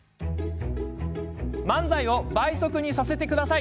漫才を倍速にさせてください。